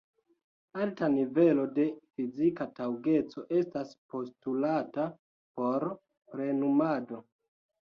Alta nivelo de fizika taŭgeco estas postulata por plenumado.